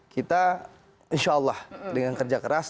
kita insya allah dengan kerja keras